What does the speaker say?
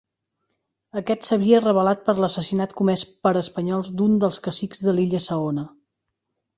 Aquest s'havia rebel·lat per l'assassinat comès per espanyols d'un dels cacics de l'illa Saona.